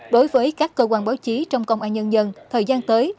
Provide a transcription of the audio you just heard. đối với các cơ quan báo chí trong công an nhân dân thời gian tới